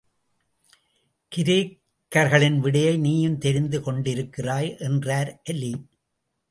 கிரேக்கர்களின் விடையை நீயும் தெரிந்து கொண்டிருக்கிறாய்! என்றார் அலி.